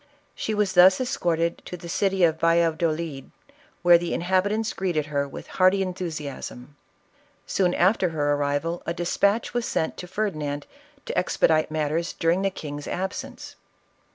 She tvas thus escorted to the city of Valladolid, where the in habiumts greeted her with hearty enthusiasm. Soon after her arrival a despatch was sent to Ferdinand to expedite matters during the king's absence.